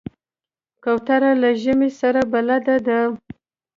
کوتره له ژمي سره بلد ده.